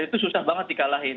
itu susah banget dikalahin